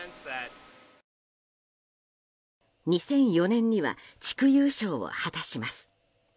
２００４年には地区優勝を果たします。